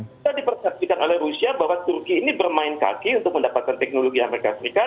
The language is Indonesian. kita dipersepsikan oleh rusia bahwa turki ini bermain kaki untuk mendapatkan teknologi amerika serikat